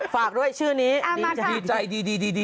ฝากด้วยชื่อนี้ดีใจดีใจดี